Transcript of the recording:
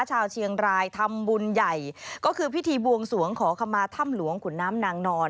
ชาวเชียงรายทำบุญใหญ่ก็คือพิธีบวงสวงขอคำมาถ้ำหลวงขุนน้ำนางนอน